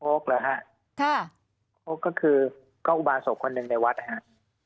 โค๊กเหรอคะโค๊กก็คืออุบาสกคนนึงในวัดค่ะ